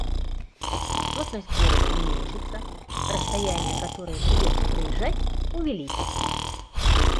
Плотность города уменьшится, расстояния, которые придётся проезжать увеличатся